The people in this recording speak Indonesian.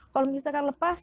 kalau misalkan lepas